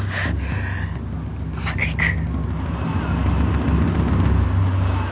うまくいく。